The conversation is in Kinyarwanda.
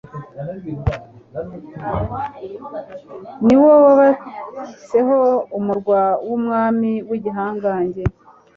ni wo wubatseho umurwa w’umwami w’igihangange